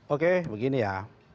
oke begini ya